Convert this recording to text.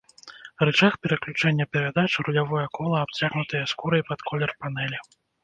Рычаг пераключэння перадач і рулявое кола абцягнутыя скурай пад колер панэлі.